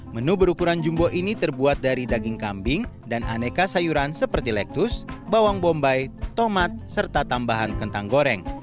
menu berukuran jumbo ini terbuat dari daging kambing dan aneka sayuran seperti lektus bawang bombay tomat serta tambahan kentang goreng